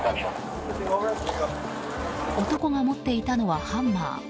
男が持っていたのはハンマー。